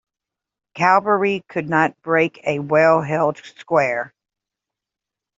Cavalry could not break a well-held square.